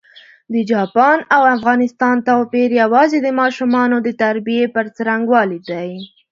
د چاپان او افغانستان توپېر یوازي د ماشومانو د تربیې پر ځرنګوالي دی.